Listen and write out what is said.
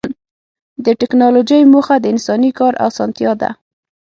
د ټکنالوجۍ موخه د انساني کار اسانتیا ده.